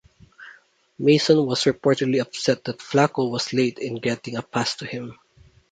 Mason was reportedly upset that Flacco was late in getting a pass to him.